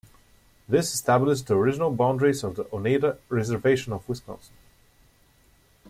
This established the original boundaries of the Oneida Reservation of Wisconsin.